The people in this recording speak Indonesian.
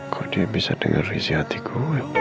kok dia bisa denger risih hatiku